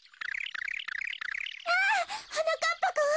きゃはなかっぱくん？